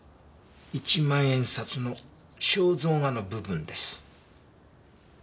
一万円札の肖像画の部分です。